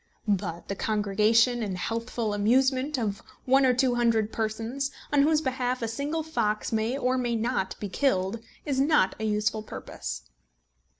But the congregation and healthful amusement of one or two hundred persons, on whose behalf a single fox may or may not be killed, is not a useful purpose.